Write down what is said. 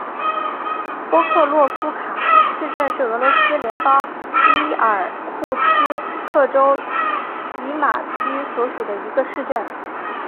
波克罗夫卡市镇是俄罗斯联邦伊尔库茨克州济马区所属的一个市镇。